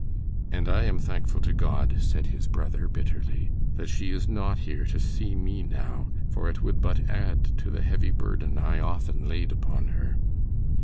"And I am thankful to God," said his brother, bitterly, "that she is not here to see me now, for it would but add to the heavy burden I often laid upon her."